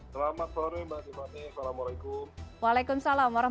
selamat sore mbak tiffany assalamualaikum